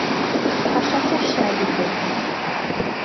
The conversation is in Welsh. Pasia'r llysia' i fi plis.